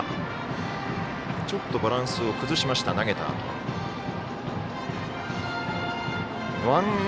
ちょっとバランスを崩しました、投げたあと。